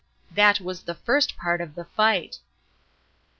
That was the first part of the fight.